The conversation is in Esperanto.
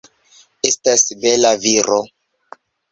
Estas bela viro.